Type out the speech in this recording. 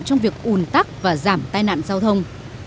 trong việc ủn tắc và giảm tai nạn giao thông